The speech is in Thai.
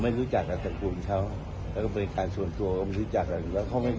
เงินบริจาคโควิด๓ร้อยล้านก็เป็นเรื่องของปกติทั่วไปเหมือนเจ้าสัวคนอื่นใช่ไหม